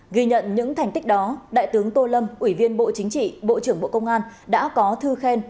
ghi nhận những thành tích đó đại tướng tô lâm ủy viên bộ chính trị bộ trưởng bộ công an đã có thư khen